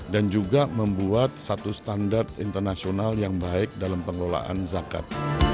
dan juga membuat satu standar internasional yang baik dalam pengelolaan zakat